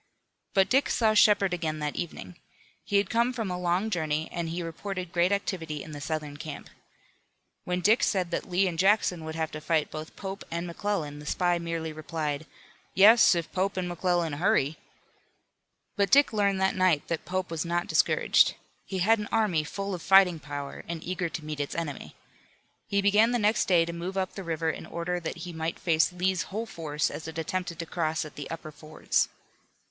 But Dick saw Shepard again that evening. He had come from a long journey and he reported great activity in the Southern camp. When Dick said that Lee and Jackson would have to fight both Pope and McClellan the spy merely replied: "Yes, if Pope and McClellan hurry." But Dick learned that night that Pope was not discouraged. He had an army full of fighting power, and eager to meet its enemy. He began the next day to move up the river in order that he might face Lee's whole force as it attempted to cross at the upper fords.